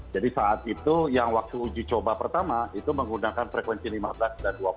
jadi saat itu yang waktu uji coba pertama itu menggunakan frekuensi lima belas dan dua puluh delapan tiga